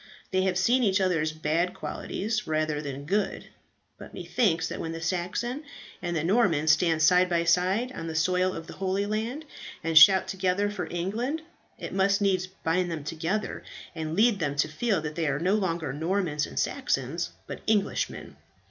They have seen each other's bad qualities rather than good; but methinks that when the Saxon and the Norman stand side by side on the soil of the Holy Land, and shout together for England, it must needs bind them together, and lead them to feel that they are no longer Normans and Saxons, but Englishmen.